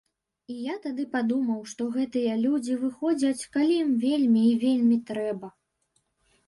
І я тады падумаў, што гэтыя людзі выходзяць, калі ім вельмі і вельмі трэба.